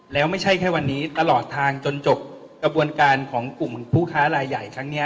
แล้วไม่ใช่แค่วันนี้ตลอดทางจนจบกระบวนการของกลุ่มผู้ค้ารายใหญ่ครั้งนี้